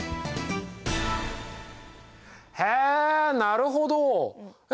へえなるほど。え？